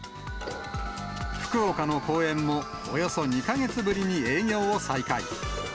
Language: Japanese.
福岡の公園も、およそ２か月ぶりに営業を再開。